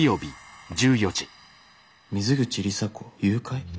「水口里紗子誘拐」？